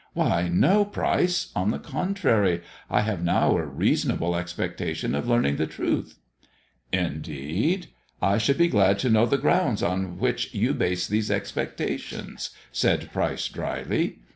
" Why, no, Pryce ! On the contrary, I have now a reasonable expectation of learning the truth." " Indeed ! I should be glad to know the grounds on which you base those expectations," said Pryce dryly.